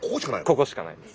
ここしかないです。